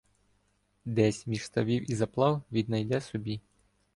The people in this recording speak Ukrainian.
Десь між ставів і заплав віднайде собі